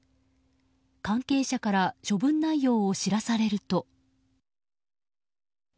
関係者から処分内容を知らされると。